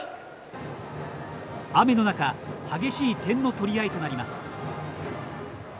雨の中激しい点の取り合いとなります。